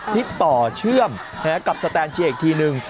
ที่ต่อเชื่อมกับสแตนเชียงอีกทีหนึ่ง